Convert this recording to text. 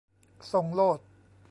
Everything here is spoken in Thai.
ส่งโลด